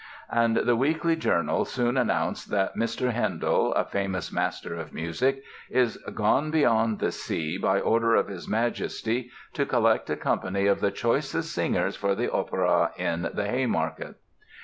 And the Weekly Journal soon announced that "Mr. Handel, a famous Master of Musick, is gone beyond the sea, by order of His Majesty, to collect a company of the choicest singers for the Opera in the Haymarket."